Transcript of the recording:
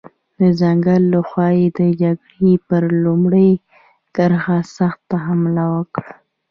د ځنګل له خوا یې د جګړې پر لومړۍ کرښې سخته حمله وکړه.